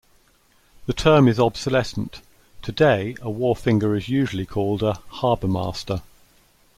The term is obsolescent; today a wharfinger is usually called a "harbourmaster".